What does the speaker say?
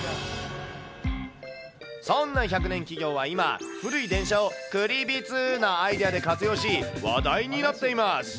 そんな１００年企業は今、古い電車をくりびつなアイデアで活用し、話題になっています。